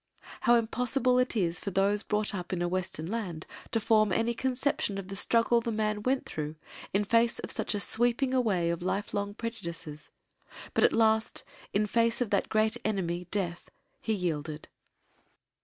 How impossible it is for those brought up in a Western land to form any conception of the struggle the man went through in face of such a sweeping away of life long prejudices, but at last in face of that great enemy, Death, he yielded.